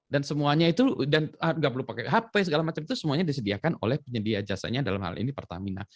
dan semuanya itu dan nggak perlu pakai hp segala macam itu semuanya disediakan oleh penyedia jasanya dalam hal ini pertamena